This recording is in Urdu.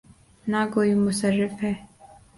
نہ کوئی مصرف ہے۔